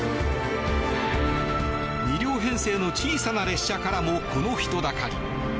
２両編成の小さな列車からもこの人だかり。